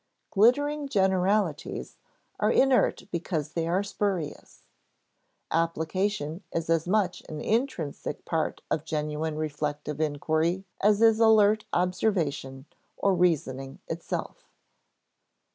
"Glittering generalities" are inert because they are spurious. Application is as much an intrinsic part of genuine reflective inquiry as is alert observation or reasoning itself.